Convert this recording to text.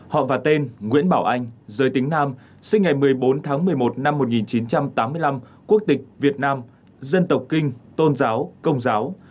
họ và tên nguyễn bảo anh giới tính nam sinh ngày một mươi bốn tháng một mươi một năm một nghìn chín trăm tám mươi năm quốc tịch việt nam dân tộc kinh tôn giáo công giáo